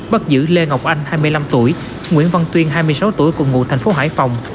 bắt giữ lê ngọc anh hai mươi năm tuổi nguyễn văn tuyên hai mươi sáu tuổi cùng ngụ thành phố hải phòng